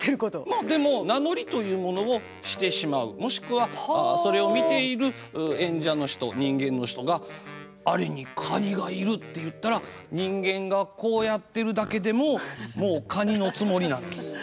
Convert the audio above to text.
まあでも名乗りというものをしてしまうもしくはそれを見ている演者の人人間の人が「あれに蟹がいる」って言ったら人間がこうやってるだけでももう蟹のつもりなんです。